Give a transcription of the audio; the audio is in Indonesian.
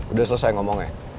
udah selesai ngomongnya